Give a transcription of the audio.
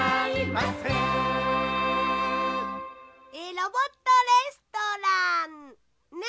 「ロボットレストラン」ね。